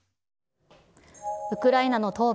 ウクライナの東部